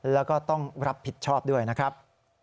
แล้วก็ต้องรับผิดชอบด้วยนะครับ